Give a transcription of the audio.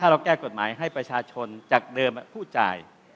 เราแก้กฎหมายให้ประชาชนจากเดิมผู้จ่าย